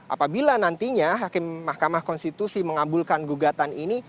apabila nantinya hakim mk mengabulkan gugatan ini